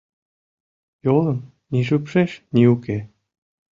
Йолым ни шупшеш, ни уке.